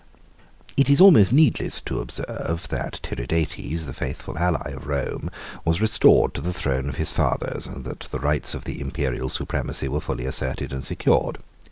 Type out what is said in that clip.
III. It is almost needless to observe, that Tiridates, the faithful ally of Rome, was restored to the throne of his fathers, and that the rights of the Imperial supremacy were fully asserted and secured.